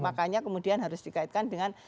makanya kemudian harus dikaitkan dengan